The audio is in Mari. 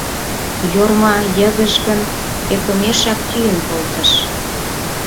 Йорма йыгыжгын, ӧкымешак йӱын колтыш.